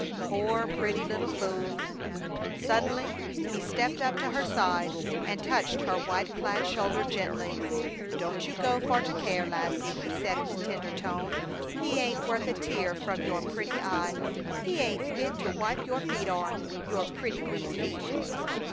"Poor, pretty little fool!" Suddenly he stepped up to her side and touched her white clad shoulder gently. "Don't you go for to care, lassie," he said in a tender tone. "He ain't worth a tear from your pretty eye. He ain't fit to wipe your feet on your pretty wee feet!"